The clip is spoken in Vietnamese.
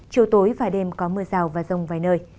chiều tối và đêm có mưa rào và rông vài nơi